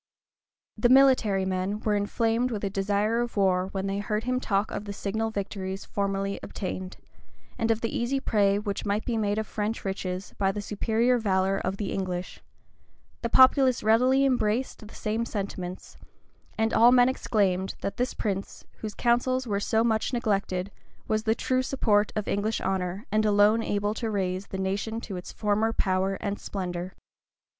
The military men were inflamed with a desire of war when they heard him talk of the signal victories formerly obtained, and of the easy prey which might be made of French riches by the superior valor of the English; the populace readily embraced the same sentiments; and all men exclaimed, that this prince, whose counsels were so much neglected, was the true support of English honor and alone able to raise the nation to its former power and splendor.